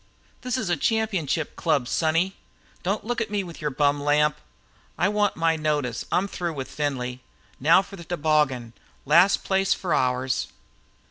"This is a championship club, sonny." "Don't look at me with your bum lamp!" "I want my notice. I'm through with Findlay." "Now for the toboggan! Last place for ours!"